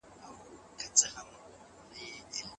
اوربوز کښته ځړولی مړه غوږونه